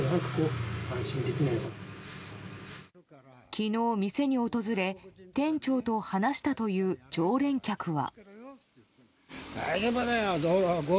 昨日、店に訪れ店長と話したという常連客は。